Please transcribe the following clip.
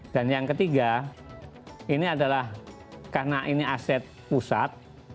dan yang ketiga ini adalah karena ini aset pusat